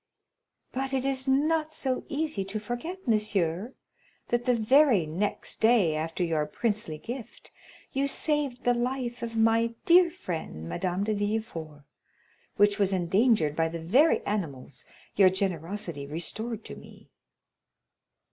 "But it is not so easy to forget, monsieur, that the very next day after your princely gift you saved the life of my dear friend, Madame de Villefort, which was endangered by the very animals your generosity restored to me."